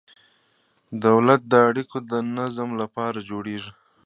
دولت د اړیکو د نظم لپاره جوړیږي.